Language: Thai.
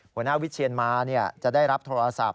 หัวหน้าวิเชียนมาจะได้รับโทรศัพท์